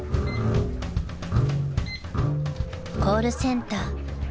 ［コールセンター］